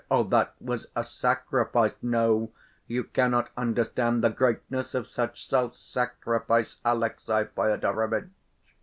Oh, that was a sacrifice! No, you cannot understand the greatness of such self‐sacrifice, Alexey Fyodorovitch.